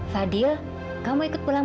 fadil kamu ikut pulang